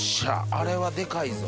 あれはデカいぞ。